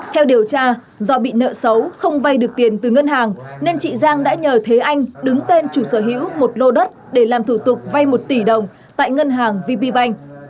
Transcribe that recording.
theo điều tra do bị nợ xấu không vay được tiền từ ngân hàng nên chị giang đã nhờ thế anh đứng tên chủ sở hữu một lô đất để làm thủ tục vay một tỷ đồng tại ngân hàng vp bank